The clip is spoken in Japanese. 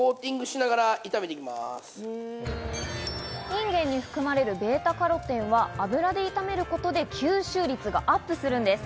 インゲンに含まれるベータカロテンは油で炒めることで吸収率がアップするんです。